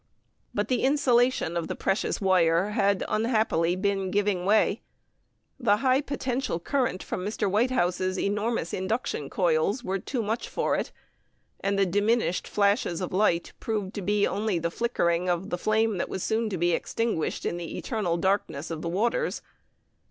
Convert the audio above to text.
But the insulation of the precious wire had, unhappily, been giving way. The high potential currents from Mr. Whitehouse's enormous induction coils were too much for it; and the diminished flashes of light proved to be only the flickering of the flame that was soon to be extinguished in the external darkness of the waters.